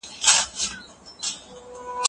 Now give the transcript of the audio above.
د څيړني په لاره کي ډېر خنډونه وي.